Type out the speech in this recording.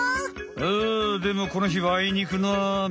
あでもこのひはあいにくのあめ。